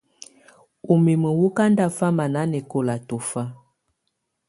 Úmimǝ́ wɔ́ ká ndáfamá nanɛkɔla tɔfa.